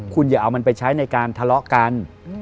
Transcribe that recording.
คุณอย่าเอามันไปใช้ในการทะเลาะกัน